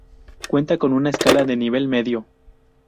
Cuenta con una escuela de nivel medio.